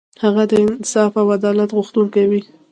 هغه د انصاف او عدالت غوښتونکی و.